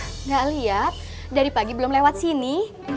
tidak lihat dari pagi belum lewat sini